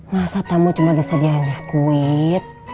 masa tamu cuma bisa diandung kuit